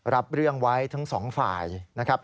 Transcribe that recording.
รับเรื่องไว้ทั้งสองฝ่ายนะครับ